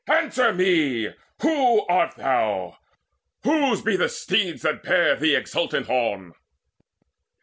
Answer me, who art thou? Whose be the steeds that bear thee exultant on?"